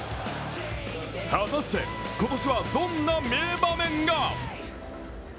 果たして今年はどんな名場面が！